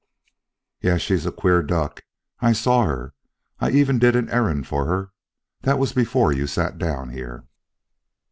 "Yes, she's a queer duck. I saw her: I even did an errand for her that was before you sat down here."